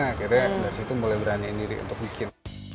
akhirnya dari situ mulai beraniin diri untuk bikin